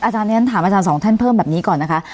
อาจารย์ถามอาจารย์๒ท่านเพิ่มแบบนี้ก่อนนะคะ